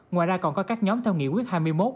ngoài ra còn có các nhóm theo nghị quyết hai mươi một